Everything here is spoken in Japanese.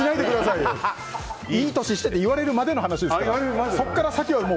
いい年してと言われるまでの話ですから。